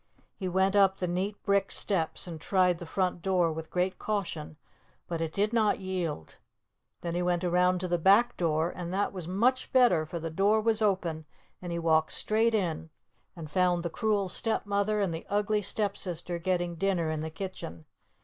He went up the neat brick steps and tried the front door with great caution. But it did not yield. Then he went around to the back door, and that was much better, for the door was open, and he walked straight in and found the Cruel Stepmother and the Ugly Stepsister getting dinner in the kitchen.